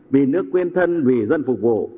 vì nước quen thân vì dân phục vụ